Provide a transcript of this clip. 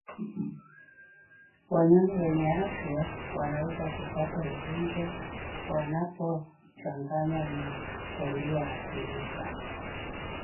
Wanyama wenye afya wanaweza kupata ugonjwa wanapochanganywa na walioathirika